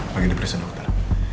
pagi di presen dokter